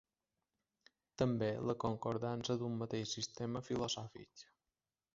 També la concordança d'un mateix sistema filosòfic.